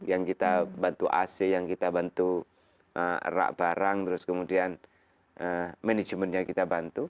yang kita bantu ac yang kita bantu rak barang terus kemudian manajemennya kita bantu